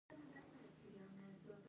دولت اباد ځمکې للمي دي که ابي؟